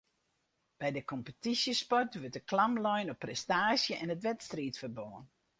By de kompetysjesport wurdt de klam lein op prestaasje en it wedstriidferbân